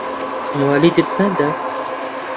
موالیدت چەندە؟